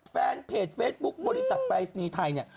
แฟนเพจเฟซบุ๊คบริษัทปรายศนีย์ไทยเนี่ย